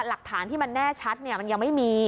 หลักฐานที่มันแน่ชัดมันยังไม่มี